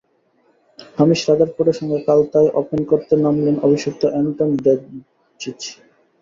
Hamish রাদারফোর্ডের সঙ্গে কাল তাই ওপেন করতে নামলেন অভিষিক্ত অ্যান্টন ডেভচিচ।